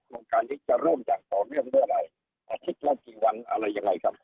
โรงการนี้จะเริ่มอย่างต่อเรื่องด้วยอะไรอาทิตย์เริ่มกี่วันอะไรยังไงครับ